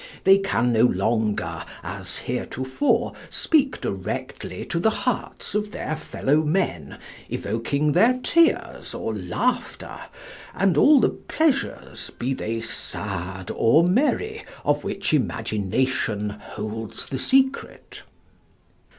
They can no longer, as heretofore, speak directly to the hearts of their fellow men, evoking their tears or laughter, and all the pleasures, be they sad or merry, of which imagination holds the secret.